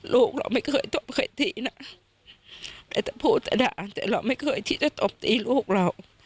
ลูกเราไม่เคยตบเคยตีนะแต่พูดแต่ด่าแต่เราไม่เคยที่จะตบตีลูกเรา